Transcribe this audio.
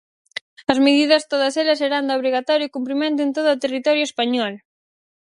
As medidas todas elas serán de obrigatorio cumprimento en todo o territorio español.